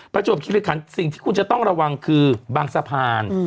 ประจวบคิริคันสิ่งที่คุณจะต้องระวังคือบางสะพาน